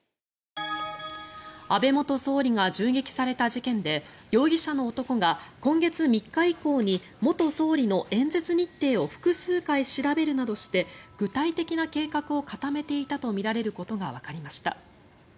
安倍元総理が銃撃された事件で容疑者の男が今月３日以降に元総理の演説日程を複数回調べるなどして具体的な計画を固めていたとみられることがわかりました。